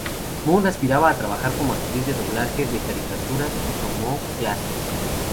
Moon aspiraba a trabajar como actriz de doblaje de caricaturas y tomó clases.